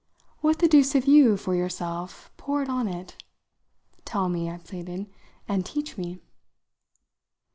What the deuce have you, for yourself, poured on it? Tell me," I pleaded, "and teach me."